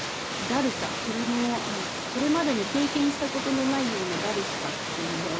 それもそれまでに経験した事のないようなだるさっていうのかな。